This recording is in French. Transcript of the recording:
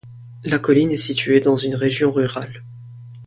La colline est située dans une région rurale.